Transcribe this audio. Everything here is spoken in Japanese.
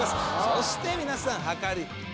そして皆さん量り。